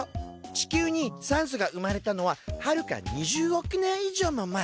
地球に酸素が生まれたのははるか２０億年以上も前。